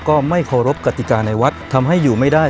ก็ไม่เคารพกติกาในวัดทำให้อยู่ไม่ได้